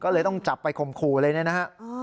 ก็เลยต้องจับไปคมคู่เลยนะฮะ